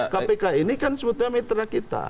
kpk ini kan sebetulnya mitra kita